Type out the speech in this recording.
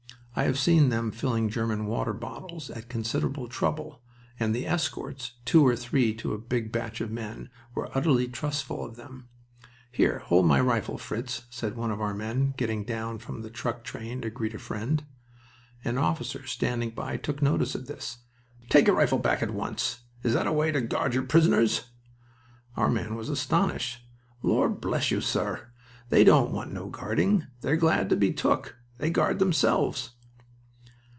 I have seen them filling German water bottles at considerable trouble, and the escorts, two or three to a big batch of men, were utterly trustful of them. "Here, hold my rifle, Fritz," said one of our men, getting down from a truck train to greet a friend. An officer standing by took notice of this. "Take your rifle back at once! Is that the way to guard your prisoners?" Our man was astonished. "Lor' bless you, sir, they don't want no guarding. They're glad to be took. They guard themselves."